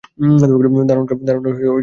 দারোয়ানরা কখনই আতঙ্কিত হয় না।